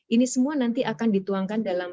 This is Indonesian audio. ini semua nanti akan dituangkan dalam